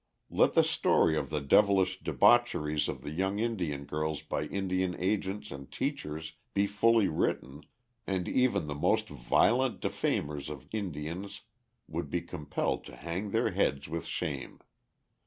Let the story of the devilish debaucheries of young Indian girls by Indian agents and teachers be fully written, and even the most violent defamers of Indians would be compelled to hang their heads with shame.